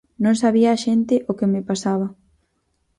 Non sabía a xente o que me pasaba.